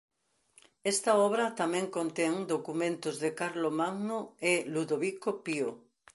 Esta obra tamén contén documentos de Carlomagno e Ludovico Pío.